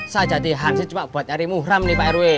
saya jadi hansi cuma buat nyari muhram nih pak irwi